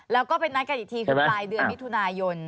แล้วก็ไปนัดกันอีกทีคือปลายเดือนมิถุนายน